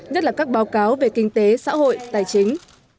nhất là các báo cáo về kinh tế xã hội tài chính